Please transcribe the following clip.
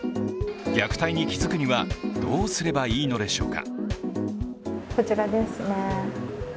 虐待に気付くにはどうすればいいのでしょうか。